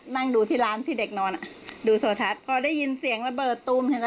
นั่งดูที่ร้านที่เด็กนอนอ่ะดูโทรทัศน์พอได้ยินเสียงระเบิดตุ้มเห็นไหม